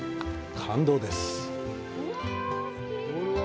感動です。